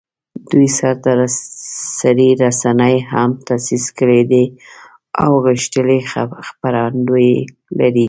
دوی سرتاسري رسنۍ هم تاسیس کړي دي او غښتلي خپرندویې لري